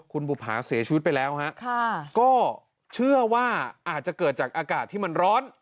คุณบุภาเสียชีวิตไปแล้วฮะค่ะก็เชื่อว่าอาจจะเกิดจากอากาศที่มันร้อน